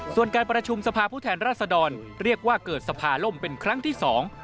ส่วนการประชุมสภาผู้แทนรัศดรเรียกว่าเกิดสภาล่มเป็นครั้งที่สอง